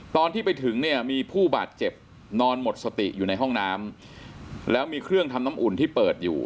ตอนที่ไปถึงเนี่ยมีผู้บาดเจ็บนอนหมดสติอยู่ในห้องน้ำแล้วมีเครื่องทำน้ำอุ่นที่เปิดอยู่